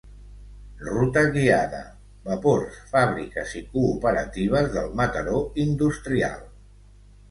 Ruta guiada "Vapors, fàbriques i cooperatives del Mataró industrial"